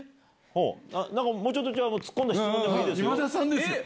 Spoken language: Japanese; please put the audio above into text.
もうちょっと突っ込んだ質問でもいいですよ。